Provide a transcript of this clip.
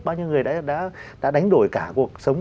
bao nhiêu người đã đánh đổi cả cuộc sống